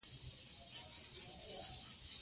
انګریزان مرچلونه نیولي وو.